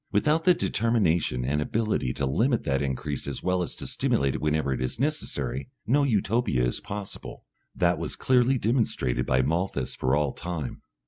Without the determination and ability to limit that increase as well as to stimulate it whenever it is necessary, no Utopia is possible. That was clearly demonstrated by Malthus for all time.